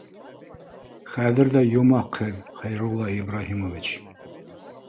— Хәҙер ҙә йомаҡ һеҙ, Хәйрулла Ибраһимович